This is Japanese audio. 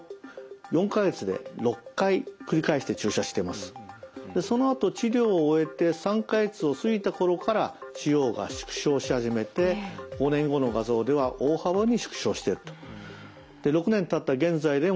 でこの部分を中心にそのあと治療を終えて３か月を過ぎた頃から腫瘍が縮小し始めて５年後の画像では大幅に縮小していると。